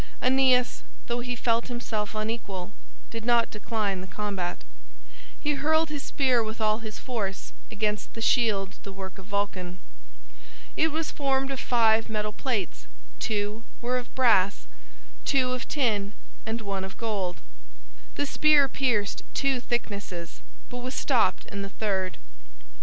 Aeneas, though he felt himself unequal, did not decline the combat. He hurled his spear with all his force against the shield the work of Vulcan. It was formed of five metal plates; two were of brass, two of tin, and one of gold. The spear pierced two thicknesses, but was stopped in the third.